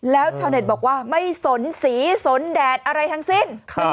แล้วชาวเน็ตบอกว่าไม่สนสีสนแดดอะไรทั้งสิ้น